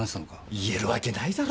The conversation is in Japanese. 言えるわけないだろ！